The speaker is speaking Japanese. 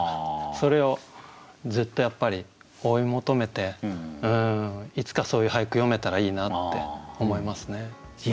それをずっとやっぱり追い求めていつかそういう俳句詠めたらいいなって思いますね。